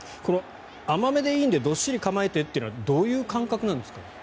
甘めでいいんでどっしり構えてというのはどういう感覚なんですか？